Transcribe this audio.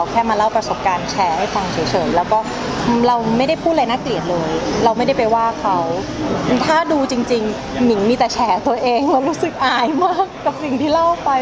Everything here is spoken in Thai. เป็นอะไรประสบการณ์ที่ไม่ดีหรือเปล่าทำไมหมิงไม่อยากมีความรักอีก